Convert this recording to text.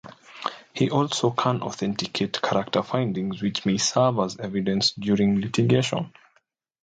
He also can authenticate character findings which may serve as evidence during litigation.